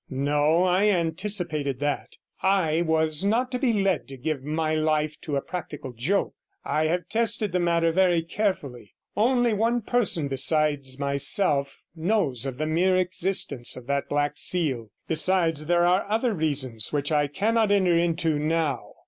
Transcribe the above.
'No, I anticipated that. I was not to be led to give my life to a practical joke. I have tested the matter very carefully. Only one person besides myself knows of the mere existence of that black seal. Besides, there are other reasons which I cannot enter into now.'